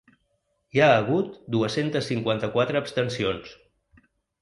Hi ha hagut dues-centes cinquanta-quatre abstencions.